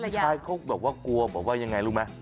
มีชายเขาแบบว่ากลัวบอกว่ายังไงรู้ไหม